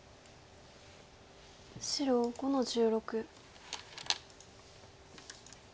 白５の十六。